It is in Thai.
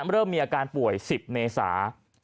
เริ่มมีอาการป่วย๑๐เมษา